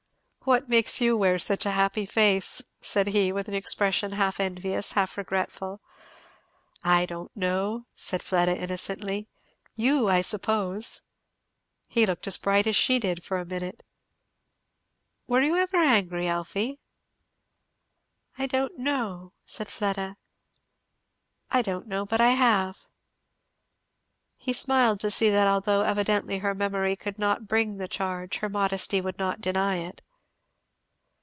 "What makes you wear such a happy face?" said he, with an expression half envious, half regretful. "I don't know!" said Fleda innocently. "You, I suppose." He looked as bright as she did, for a minute. "Were you ever angry, Elfie?" "I don't know " said Fleda. "I don't know but I have." He smiled to see that although evidently her memory could not bring the charge, her modesty would not deny it.